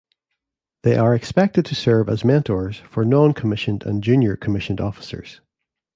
They are expected to serve as mentors for noncommissioned and junior commissioned officers.